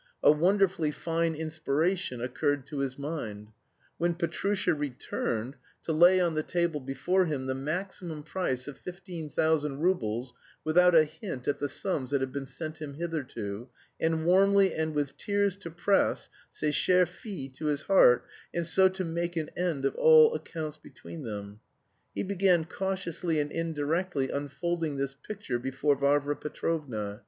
A wonderfully fine inspiration occurred to his mind: when Petrusha returned, to lay on the table before him the maximum price of fifteen thousand roubles without a hint at the sums that had been sent him hitherto, and warmly and with tears to press ce cher fils to his heart, and so to make an end of all accounts between them. He began cautiously and indirectly unfolding this picture before Varvara Petrovna.